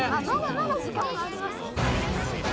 まだまだ時間はあります。